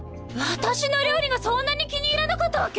私の料理がそんなに気に入らなかったわけ⁉